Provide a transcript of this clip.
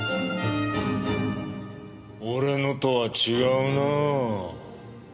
俺のとは違うなぁ。